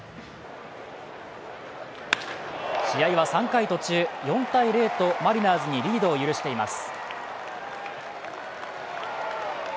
試合は３回途中、４−０とマリナーズにリードを許しています。